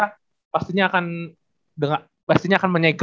nah sekalian voltrum nya lagi aja